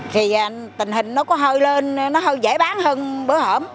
thì tình hình nó có hơi lên nó hơi dễ bán hơn bữa hẻm